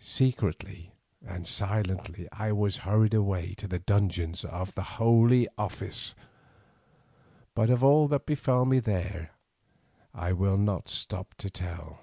Secretly and silently I was hurried away to the dungeons of the Holy Office, but of all that befell me there I will not stop to tell.